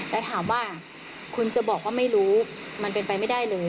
และถามว่าคุณจะบอกว่าไม่รู้มันเป็นไปไม่ได้เลย